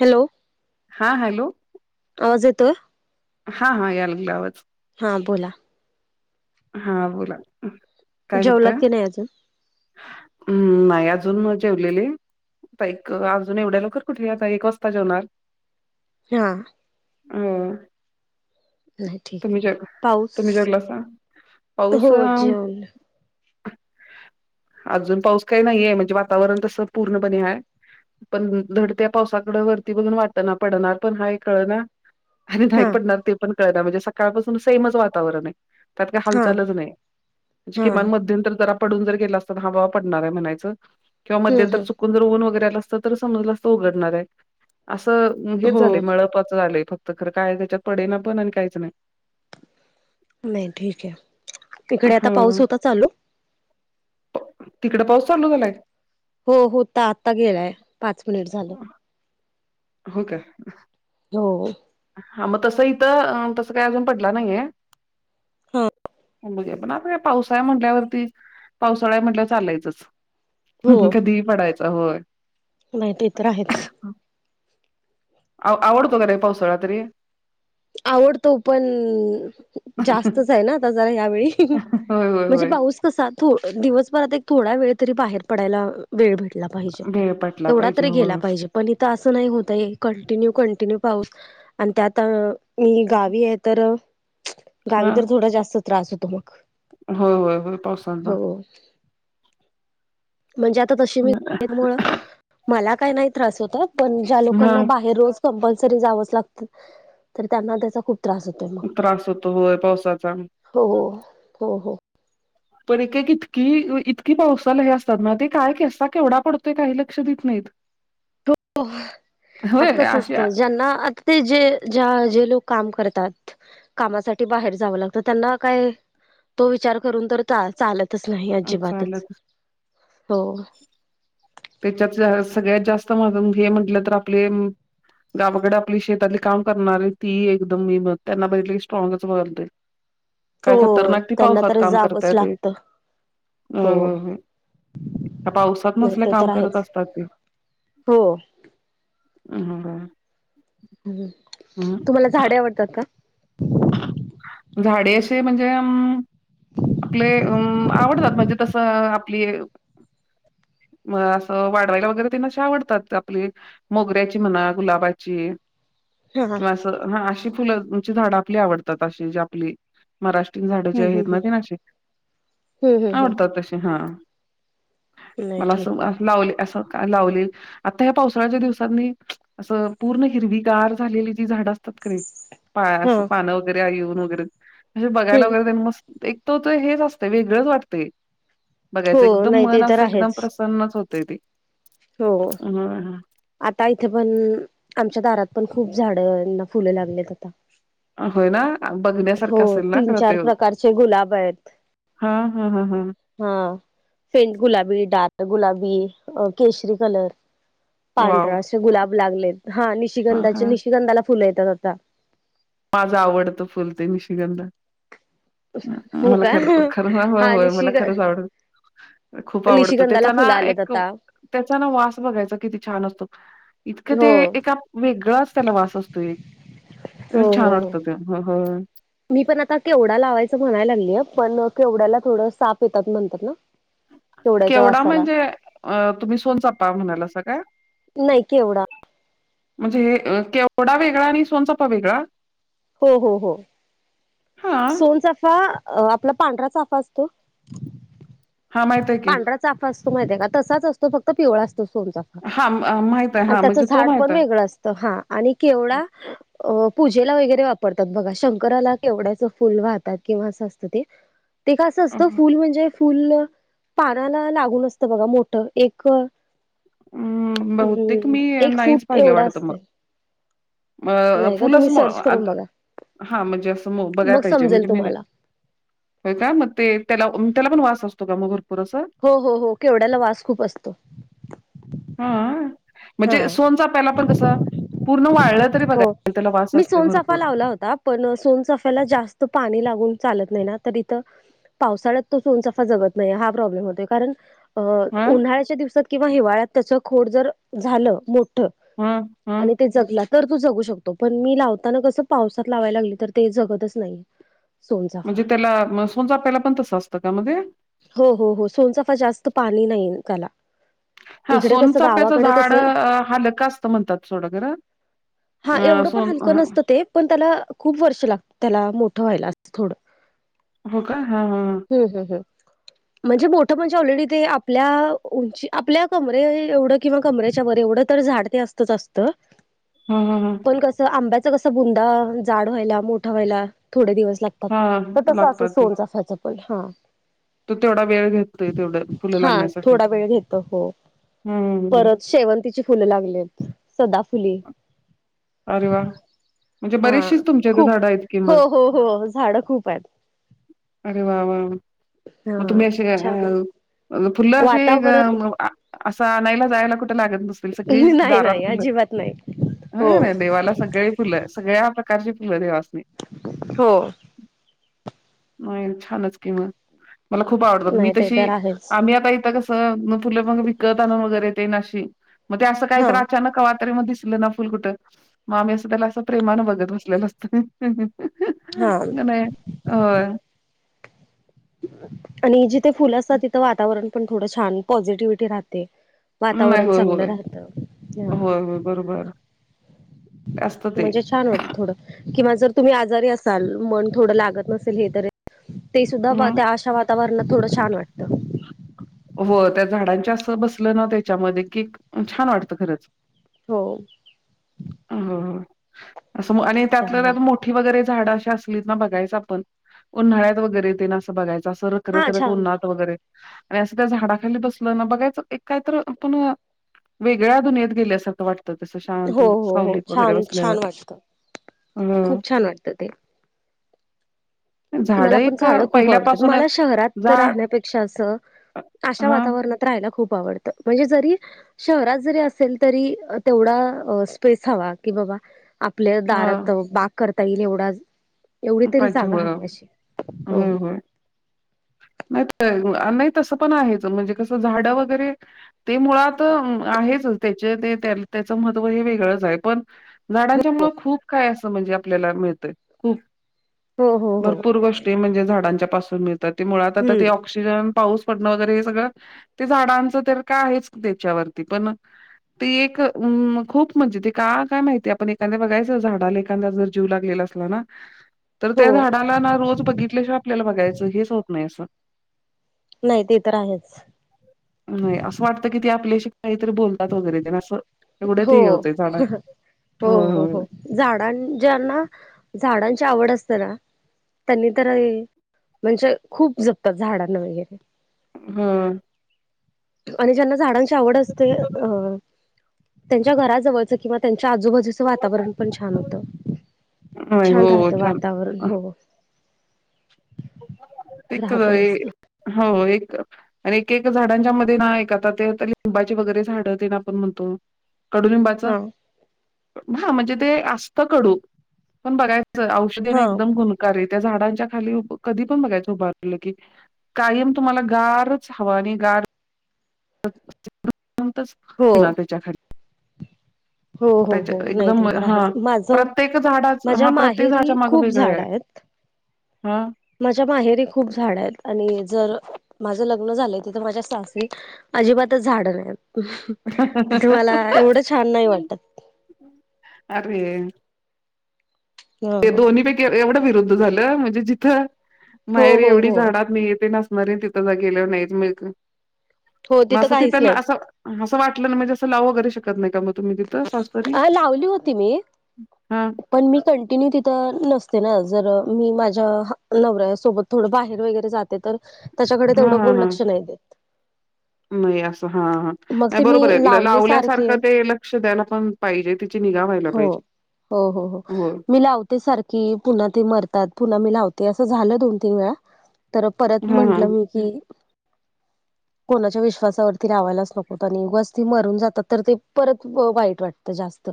Hello हा hello आवाज येतोय? हा हा या लागलाय आवाज. हा बोला हा बोला, काय जेवलात करताय? की नाही अजून हम्म नाही अजून मग जेवलेले आता एक अजून एवढ्या लवकर कुठे? आता एक वाजता जेवणार. हा अ नाही ठीक तुम्ही आहे जेव, पाऊस तुम्ही जेवलासा? हो पाऊस अं जेवण अजून पाऊस काय नाहीये म्हणजे वातावरण तसं पूर्णपणे हाय पण धड त्या पावसाकडं वरती बघून वाटना पडणार पण हाय कळना आणि नाही हा पडणार ते पण कळंना म्हणजे सकाळपासून सेमच वातावरण आहे. त्यात काय हा हालचालच नाही, म्हणजे हा किमान हम्म मध्यंतरी जरा पडून जर गेला असता तर हा बाबा पडणार हाय म्हणायचं किंवा मध्यंतर हम्म चू कुन जर ऊन वगैरे आलं असतं, तर समजलं असतं उघडणार आहे. असं हेच हो झालंय मळपाचं आलंय, फक्त खरं काय त्याच्यात पडेना पण आणि कायच नाय. नाही ठीक आहे, तिकडे आता पाऊस हो होता चालू? तिकडं पाऊस चालू झालाय? हो होता, आत्ता गेलाय पाच मिनिट झालं. हो का? हो हा मग तसं इथं, तसं काय अजून पडला नाहीये. हा बघूया पण आता काय पावसाळाय म्हटल्यावरती, पावसाळा हाय म्हणाल्यावर चालायचंच. हो कधीही पडायचा, होय. नाही ते तर आहेच. आव आवडतो का नाही पावसाळा तरी? आवडतो पण, जास्तच आहे ना आता जरा ह्यावेळी. होय, होय, म्हणजे होय. पाऊस कसा थो दिवसभरात एक थोडा वेळ तरी बाहेर पडायला वेळ भेटला पाहिजे, भेळ पाटला एवढा पाहिजे तरी होय. गेला पाहिजे. पण इथं असं नाही होत आहे, कंटिन्यू कंटिन्यू पाऊस आणि त्यात अ मी गावी आहे तर गावी हां. तर थोडा जास्त त्रास होतो मग. होय होय होय पावसांचा हो म्हणजे आता तशी मी मुळ मला काय नाही त्रास होता पण ज्या लोकांना हां. बाहेर रोज कंपल्सरी जावचं लागत तर त्यांना त्याचा खूप त्रास हो त्रास होतो होय पावसाचा. हो हो हो पण एक एक इतकी इतकी पावसाला हे आसतात ना ते काय? कसा? केवढा पडतोय काही लक्ष देत नाहीत. हो, होय आता कसं अशी असतं ज्यांना आ ते जे ज्या जे लोक काम करतात कामासाठी बाहेर जावं लागतं, त्यांना काय तो विचार करून तर चालतच नाही चाल अजिबातच हो. तेच्यात ज्या सगळ्यात जास्त [unintelligible] हे म्हटलं तर आपले गावाकडं आपली शेतातली काम करणारी ती एकदम बाई बघं त्यांना बघितलं की स्ट्रॉगच [unintelligible] काय हो खतरनाक ती त्यांना पावसात तर काम जावंच करताय रे. लागतं अ हो ह ह ह्या पावसात नाही मसल्या ते काम तर करत आहेच असतात ते हो आहा तुम्हाला झाडे आवडतात का? झाडे आशे म्हणजे हम आपले अम आवडतात, म्हणजे तसं आपली म आसं वाढवायला वगैरे तेन आशे आवडतात आपली मोगऱ्याची म्हणा, गुलाबाची, हा हा किंवा असं हा आशी फुलाची झाडं आपली आवडतात आशी जी आपली महाराष्ट्रीन झाडं जे हम् हम आहेत ना हम तेन आशी हम्म हम्म आवडतात तशे हा. हम् नाही मला ठीक आसं आहे असं लावले आसं लावले आता ह्या पावसाळ्याच्या दिवसातनी असं पूर्ण हिरवीगार झालेली जी झाडं असतात का नाही? पा हा आसं पानं वगैरे येऊन वगैरे असे बघायला हम् वगैरे तेन मस एक तो त हेच आसतय वेगळंच वाटतंय, हो बघायचं एकदम नाही मन ते तर आसं एकदम आहेच प्रस न्नच होतय ते. हो. हम्म. आता इथ पण आमच्या दारात पण खूप झाडना फुलं लागलेत आता. होय ना? हो बघण्यासारखं असेल ना तीन खरं चार प्रकारचे गुलाब आहेत, हा हा हा हा, हा फेंट गुलाबी, डार्क गुलाबी, केशरी कलर वॉव! पांढरा असे गुलाब लागलेत हा हां, निशिगंधाची हां. निशिगंधाला फुल येत्यात आता. माझं आवडतं फुल ते निशिगंध. हो मला का खरं खरं हो हो हा होय मला निशिग खरंच आवड खूप आवडतो, निशिगंधाला त्याचा ना फुलं आलेत एक आता त्याचा ना वास बघायचा किती छान असतो. इतकं ते हो एका वेगळाच त्याला वास असतोय एक. हो छान हो हो वाटत ते बघून मी पण आता केवडा लावायचं म्हणायलागलीय पण, केवड्याला थोडं साप येतात म्हणतात ना? केवड्याच्या केवढा वासाला म्हणजे तुम्ही सोनचापा म्हणालासा काय? नाही, केवढा. म्हणजे केवढा वेगळा आणि सोनचापा वेगळा? हो हो हो, हां. सोनचाफा आपला पांढरा साफा असतो, हा मा पांढरा चाफा असतो महिती आहे का? तसाच असतो फक्त पिवळा असतो सोनचा हां, अ, माहीत आहे. आणि हां, त्याच म्हणजे तो झाड माहीत पणं आहे. वेगळं असतं हा आणि केवडा अ पूजेला वगेरे वापरतात बघा. शंकराला केवड्याच फुल वाहतात किंवा अस असत ते. [inaudible] ते का असं असतं, फुल म्हणजे फुल पानाला लागून असतं बघा, मोठं एक अ अं बहुतेक हम्म मी एक नाहीच फूट एवढ असतय. अ फुल असं मो सर्च करून बघा हा म्हणजे असं बघायला मग पाहिजे समजेल म्हणजे मी नाय. तुम्हाला होय का? मग ते त्याला त्याला पण वास असतो का मग भरपूर असं? हो हो हो. केवड्याला वास खूप असतो. हा आ हा म्हणजे सोनचाफ्याला पण कसं पूर्ण वाळ हो, मी सोनचाफा लावला होता. पण सोनचाफ्याला जास्त पाणी लागून चालत नाही ना, तर इथं पावसाळ्यात तो सोनचाफा जगत नाही. हा प्रॉब्लेम होतोय, कारण अ हा उन्हाळ्याच्या दिवसात किंवा हिवाळ्यात त्याच खोड जर झालं, मो ठ हा हा आणि ते जगला तर तो जगू शकतो, पण मी लावताना कसं पावसात लावायला लागली, तर ते जगतच नाही. सोनचाफा म्हणजे त्याला म सोनचाफ्याला पण तसं असतं का? म्हणजे हो हो, सोनचाफा जास्त पाणी नाही त्याला हा इकडे कसं सोनचाप्याचं गावाकडे झाड कसं हालक असतं म्हणतात सोडा खर. हा एवढं पण हलकं नसतं ते, पण त्याला खूप वर्ष लागत, त्याला मोठं व्हायला अस थोडं. हो का? हा हा. हू हू हू. म्हणजे मोठं म्हणजे ऑलरेडी ते आपल्या उंची, आपल्या कमरे एवढं किंवा कमरेच्या वर एवढं तर झाड ते असतच असतं. हा हा. पण कसं, आंब्याच कसं बुंधा जाड व्हायला, मोठा व्हायला थोडे दिवस लाग तात, हा तर तस अस लागतात ते सोनचाफ्याच पण हा. तो तेवढा वेळ घेतोय, तेवढ्या फुलं हा लागण्यासाठी थोडा वेळ घेतो हो हू हू हू. परत शेवंतीची फुलं लागलेत. सदाफुली अरे वा! म्हणजे हा बरीेचशीच, तुमच्या इथ खूप झाडं आहेत कि हो मग. हो हो झाडं खूप आहेत अरे वा वा वा! मग हा तुम्ही असे छान आहे अ फुल्ल अशीे ग वातावरण म आ असं आणायला जायला कुठे लागत नसतील, सगळी नाही दारात नाही फुल. अजिबात नाही. हाय हो का नाही. देवाला सगळी फुलं. सगळ्या प्रकारची फुलं देवासनी. हो. नाही छानच कि म. मला खूप आवडतात. मी नाही ते तशी तर आहेच आम्ही आता इथ कस फुल म विकत आनुन वगैरे ते न अशी, मग ते असं हा कायतरी अचानक कवातरी म दिसल नव फुल कुठं? मग आम्ही असं त्याला असं प्रेमानं बघत बसलेलं असतय होय हा का नाही? होय. आणि जिथे फुल असतात, तिथं वातावरण पण थोडं छान पॉझिटिव्हीटी राहतय. वातावरण चांगलं राहतं. हा. हं बरोबर. ते असतं ते म्हणजे छान वाटत थोड किंवा जर तुम्ही आजारी असाल, मन थोडं लागत नसेल हे तरी ते सुद्धा वा हं त्या अशा वातावरणात थोडं छान वाटतं. ह हो त्या झाडांच्या असं बसलं ना त्याच्यामध्ये की छान वाटतं खरंच हो हो असं आणि त्यातलं त्यात त्यामुळे मोठ मोठी वगैरे झाड अे असलीत ना बघाचं आपण उन्हाळ्या वगैरे ते ना असं बघायचं असं र खर हा तर छान उन्हात वगैरे आणि असं त्या झाडाखाली बसलं ना बघायच एक काय तरी आपण वेगळ्या दुनियेत गेल्यासारखं वाटतं तस शांत हो हो हो सावलीत वगैरे छान बसल्यावर छान वाटत अ खूप छान वाटतं ते. मला पण झाडं खूप आवडतात पहिल्यापासूनच मला शहरात झाड राहण्यापेक्षा असं अशा हा वातावरणात राहायला खूप आवडतं. म्हणजे जरी शहरात जरी असेल तरी तेवढा स्पेस हवा कि बाबा आपल्या दारात हा बाग करता येईल एवढा एवढी तरी जागा हवी अशी हम हो हम नाही नाही, तसं पण आहेच म्हणजे कसं झाडं वगैरे ते मुळात आहेचच त्याचे ते त्याच महत्त्व हे वेगळंच आहे पण झाडांच्या मुळे खूप काय असं म्हणजे आपल्याला मिळतय हो हो हो भरपूर गोष्टी म्हणजे झाडांच्या पासून मिळतात, ते मुळात आता हम्म ते ऑक्स पाऊस पडणं वगैरे हे सगळं ते झाडांच तर काय आहेच त्याच्यावरती पण ती एक खूप म्हणजे ते का काय माहिती आपण एखाद्या बघायचं झाडाला एखादा जर जीवलागलेला असतो. हो ना तर हो त्या झाडाला ना रोज बघितल्याशिवाय आपल्याला बघायचं हेच होत नाही असं- नाही ते तर आहेच नाही. असं वाटतं की ती आपल्याशी काहीतरी बोलत वगरे अस एवढ्यात हो हे होते झाड हो होय हो होय हो झाडां ज्यांना झाडांची आवड असते ना त्यांनी तर म्हणजे खूप जपतात झाडांना वगैरे हम्म आणि ज्यांना झाडांची आवड असते अ त्यांच्या घराजवळच किंवा त्यांच्या आजूबाजू वातावरण छान होत होय होय छान हो राहत छान वातावरण हो एक राहतं मस्त हो एक आणि एक एक झाडांच्या मध्ये ना एक आता ते लिंबाचे वगैरे झाडं ना आपण म्हणतो कडूलिंबाचा हा हा म्हणजे ते असत कडू पण बऱ्याच औषधेने हा एकदम गुण त्या झाडांच्या खाली कधी पण बघायचं उभारल की कायम तुम्हाला गारच हवा आणि गार हो णार त्याच्या खा हो हो हो त्याच्या नाही एकदम ते तर हा आहेच माझं प्रत्येक माझ्या झाडाच्या माहेरी माग खूप वेगळं झाड आहे. आहेत. हा माझ्या माहेरी खूप झाड आहेत आणि जर माझं लग्न झालंय तिथं माझ्या सासरी अजिबातच झाड नाही. तर तुम्हाला एवढं छान नाही वाटत. अरे ते ह दोन्ही पैकी एवढं विरुद्ध झालं म्हणजे जिथं हो माहेरी हो एवढी हो झाडात मी येते नस तिथं जा गेले नाहीत म हो तिथं मग काहीच तिथली नाही असं असं वाटलं ना म्हणजे असं लावू वगैरे शकत नाही का मग तुम्ही तिथं सासरी अ लावली होती मी हा! पण मी कंटिन्यू तिथं नसते ना जर मी माझ्या हा नवऱ्यासोबत थोडं बाहेर वगैरे जाते, तर त्याच्याकडे तेवढं कोण लक्ष नाही देत. नहीं असं हा हा! मग नाही ते मी बरोबर आहे लावले सारखे लावल्यासारखं ते लक्ष द्यायला पण पाहिजे, तिची निगा व्हायला हो पाहिजे. हो हो हो मी लाव ते सारखी पुन्हा ते मरतात, पुन्हा मी लावते असं झालं दोन तीन वेळा. तर परत हा हा म्हंटलं मी कि कोणाच्या विश्वासावर ती लावायलाच नकोत, आणि उगाच ते मरून जातात तर ते परत वाईट वाटतं जास्त.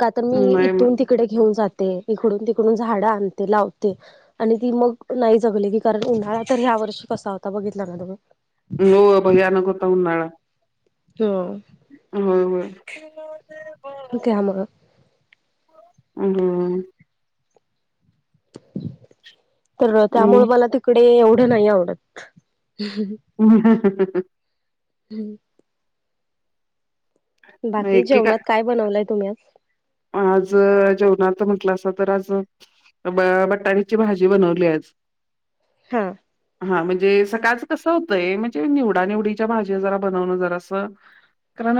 का तर मी नाही मग इथून ती कडे घेऊन जाते, इकडून तिकडून झाड आणते लावते आणि ती मग नाही जगली की तर उन्हाळा तर ह्या वर्षी कसा होता बघितला ना तुम्ही. हो भयानक होता उन्हाळा. तो! होय होय. [unintelligible] द्या म. [inaudible] तर त्यामुळ मला तिकडे एवढं नाही आवडत. [inaudible] हू! बाकी एकेका जेवणात काय बनवलंय तुम्ही आज. आज जेवणात म्हंटलं असं तर आज. अ ब-बटान्या ची भाजी बनवली आज. हां! हा म्हणजे सकाळचं कसं होतंय, म्हणजे निवडा निवडीच्या भाज्या जरा बनवणं जरां असं कारण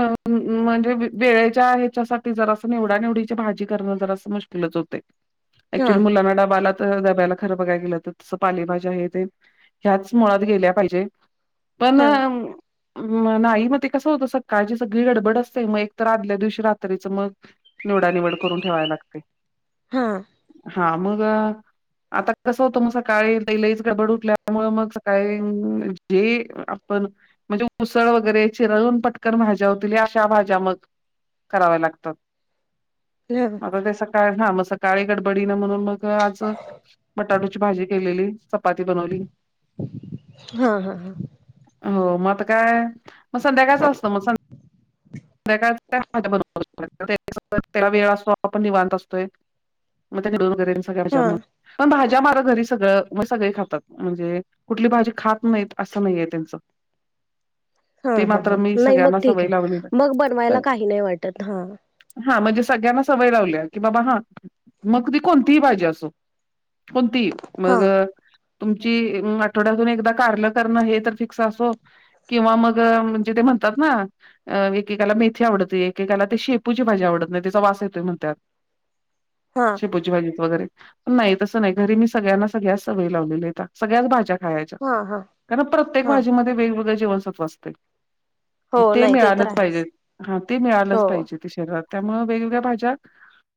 म्हणजे वेळेच्या ह्याच्यासाठी जरां निवडा निवडीची भाजी कारण जरासं मुश्किलच होतय हा ऍक्च्युली मुलांना डबा आला त डब्या ला खरं बघाय गेलं त तस पालेभाज्या हे ते ह्याच मुळात गेल्या पाहिजे. पण! हा म नाही म ते कसं होतं सकाळची सगळी गडबड असते, मग एक तर आदल्या दिवशी रात्रीचं मग निवडा निवड करून ठेवाया लागते हा. हा मग. आता कसं होतं म सकाळी लै लईच गडबड उठल्यामुळ मग सकाळी जे आपण म्हणजे उसळ वगैरे चिरळून पटकन भाज्या होतील, हे अशा भाज्या मग कराव्या लागतात. [inaudible] रोजा सकाळ हा म सकाळी गडबडी न म्हणून मग आज बटाटू ची भाजी केलेली. चपाती बनवली. हा हा हा हो म आता काय म संध्याकाळच असतं मग सं [unintelligible] त्याला वेळ असतो आपण निवांत असतोय. हा [unintelligible] पण भाज्या मारो घरी सगळं. मग सगळे खातात म्हणजे कुठली भाजी खात नाहीत असं नाहीय त्यांचं. हा ते हा मात्र हा मी नाही मग सगळ्यांना ठीक सवय आहे, लावलेली मग बनवायला काही नाही वाटत हा हा म्हणजे सगळ्यांना सवय लावली की बाबा हा मग ती कोणतीही भाजी असो. कोणती हा मग तुमची म आठवड्यातून एकदा कारलं करणं हे तर फिक्स असो. किंवा मग म्हणजे ते म्हणतात ना, एकेकाला मेथी आवडते. एकेकाला ते शेपूची भाजी आवडत नाही. त्याचा वास येतोय म्हणतात. हा, शेपूची भाजी वगैर नाही तसं नाही. घरी मी सगळ्यांना सगळ्या सवय लावलेल्या आहेत. त्या सगळ्याच भाज्या खायाच्या हा हा प्रत्येक हा भाजी मध्ये वेगवेगळ जीवनसत्व असते. हो, नाही ते तर आहे. पाहिजे हा ते मिळालंच पाहिजे, ते शरीरात त्यामूळ वेगवेगळ्या भाज्या